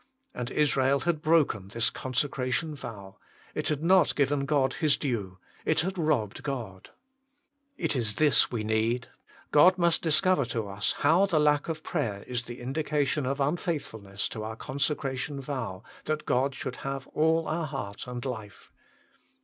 And Israel had broken this consecration vow: it had not given God Hie due; it had robbed God. It is this we need : God must discover to us how the lack of prayer is the indication of unfaithfulness to our consecration vow, that God should have all our heart and life.